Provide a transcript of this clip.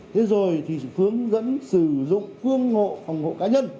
thế rồi thì hướng dẫn sử dụng cương hộ phòng hộ cá nhân